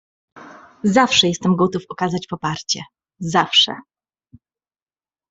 "Zawsze jestem gotów okazać poparcie, zawsze."